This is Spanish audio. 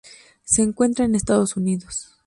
Se encuentra en Estados Unidos.